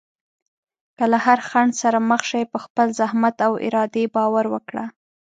که له هر خنډ سره مخ شې، په خپل زحمت او ارادې باور وکړه.